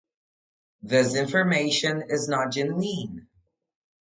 This information is not genuine.